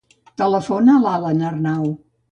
Telefona a l'Alan Arnau.